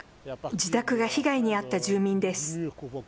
自宅が被害に遭った住民です。